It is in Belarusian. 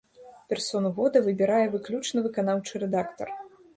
Персону года выбірае выключна выканаўчы рэдактар.